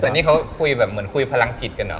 แต่นี่เขาคุยแบบเหมือนคุยพลังจิตกันเหรอ